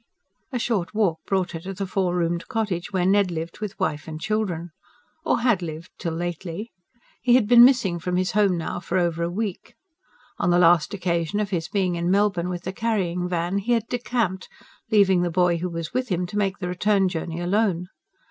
A short walk brought her to the four roomed cottage where Ned lived with wife and children. Or had lived, till lately. He had been missing from his home now for over a week. On the last occasion of his being in Melbourne with the carrying van, he had decamped, leaving the boy who was with him to make the return journey alone.